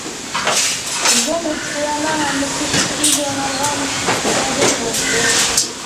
بىزنىڭ سىنىپتىكىلەرنىڭ ھەممىسى ئىككى ژۇرنالغا مۇشتەرى بوپتۇ.